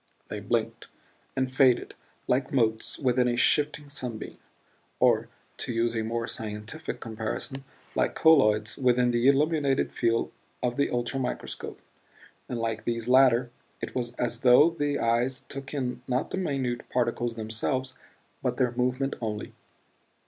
They blinked and faded like motes within a shifting sunbeam; or, to use a more scientific comparison, like colloids within the illuminated field of the ultramicroscope; and like these latter it was as though the eyes took in not the minute particles themselves but their movement only.